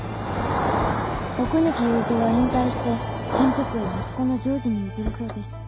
奥貫雄三は引退して選挙区を息子の譲次に譲るそうです。